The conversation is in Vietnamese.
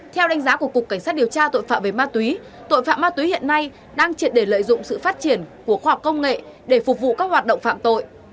theo đánh giá của cục cảnh sát điều tra tội phạm về ma túy tội phạm ma túy hiện nay đang triệt để lợi dụng sự phát triển của khoa học công nghệ để phục vụ các hoạt động phạm tội